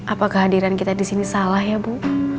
apakah hadiran kita di sini salah ya bu